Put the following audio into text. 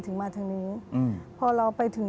ถึงมาทางนี้พอเราไปถึง